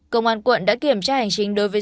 công an quận đã kiểm tra hành chính đối với